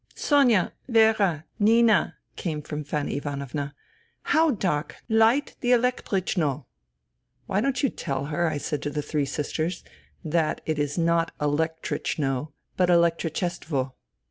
" Sonia ! Vera ! Nina !" came from Fanny Ivan ovna. " How dark ! Light the elektrichno !"" Why don't you tell her," I said to the three sisters, " that it is not ' elektrichno,' but ' elektri chestvo